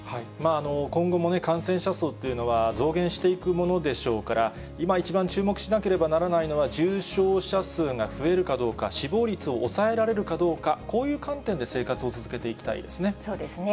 今後も感染者数っていうのは増減していくものでしょうから、今一番注目しなければならないのは、重症者数が増えるかどうか、死亡率を抑えられるかどうか、こういう観点で生活を続けていきたいですね。